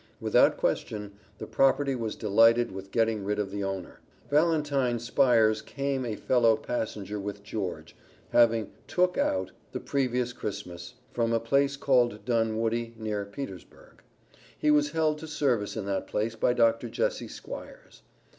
Without question, the property was delighted with getting rid of the owner. VALENTINE SPIRES came a fellow passenger with George, having "took out" the previous Christmas, from a place called Dunwoody, near Petersburg. He was held to service in that place by Dr. Jesse Squires.